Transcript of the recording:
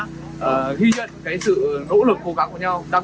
đặc biệt là sự nỗ lực của phía việt nam đã tạo ra những điều kiện thuận lợi nhất